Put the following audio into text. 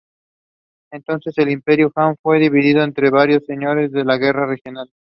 Entonces el imperio Han fue dividido entre varios señores de la guerra regionales.